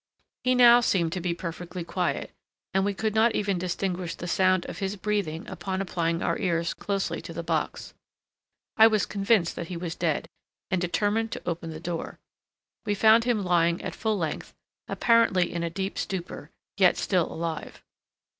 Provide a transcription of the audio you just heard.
He now seemed to be perfectly quiet, and we could not even distinguish the sound of his breathing upon applying our ears closely to the box. I was convinced that he was dead, and determined to open the door. We found him lying at full length, apparently in a deep stupor, yet still alive.